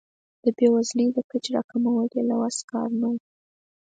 د بیوزلۍ د کچې راکمول یې له وس کار نه و.